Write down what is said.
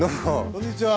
こんにちは。